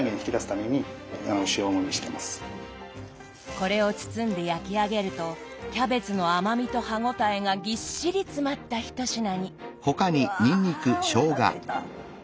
これを包んで焼き上げるとキャベツの甘みと歯応えがぎっしり詰まった一品に。うわおなかすいた。